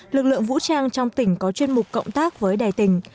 lực lượng vũ trang trong tỉnh có chuyên mục cộng tác với đài tỉnh